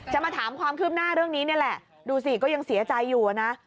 มาถามความคืบหน้าเรื่องนี้นี่แหละดูสิก็ยังเสียใจอยู่นะ